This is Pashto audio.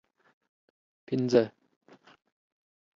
پنځه